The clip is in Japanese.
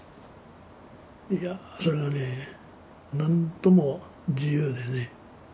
いやあそれがねなんとも自由でね。